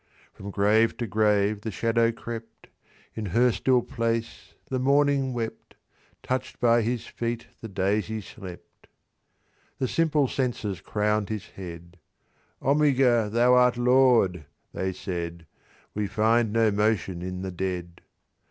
"From grave to grave the shadow crept: In her still place the morning wept: Touch'd by his feet the daisy slept. "The simple senses crown'd his head: 'Omega! thou art Lord,' they said; 'We find no motion in the dead.